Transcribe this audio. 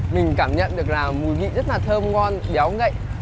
mình cảm nhận được là mùi vị rất là thơm ngon béo ngậy